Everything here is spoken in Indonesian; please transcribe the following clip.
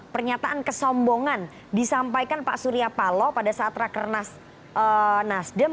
pernyataan kesombongan disampaikan pak surya palo pada saat rakernas nasdem